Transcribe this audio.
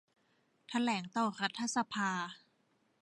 แถลงต่อรัฐสภา